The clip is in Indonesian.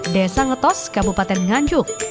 desa ngetos kabupaten nganjuk